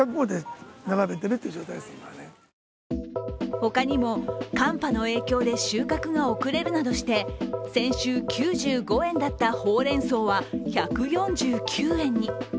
他にも寒波の影響で収穫が遅れるなどして先週９５円だったホウレンソウは１４９円に。